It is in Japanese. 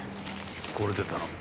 これで頼む。